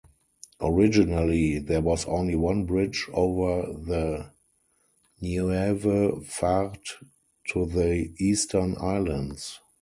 Originally there was only one bridge over the Nieuwe Vaart to the Eastern Islands.